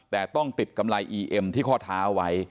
แต่ต้องติดกำไรอีเอ็มที่ข้อเท้าไว้